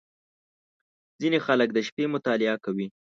• ځینې خلک د شپې مطالعه کوي.